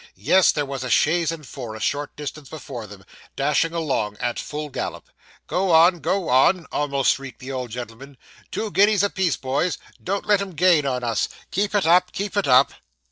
Yes: there was a chaise and four, a short distance before them, dashing along at full gallop. 'Go on, go on,' almost shrieked the old gentleman. 'Two guineas a piece, boys don't let 'em gain on us keep it up keep it up.